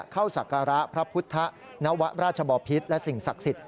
เข้าสักการะพระพุทธณวราชบพิษและสิ่งศักดิ์สิทธิ์